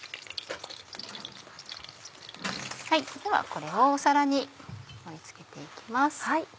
これを皿に盛り付けて行きます。